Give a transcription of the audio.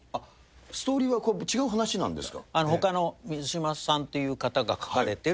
ストーリーは違う話なんですか。